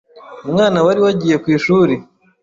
umwana wari wagiye ku ishuri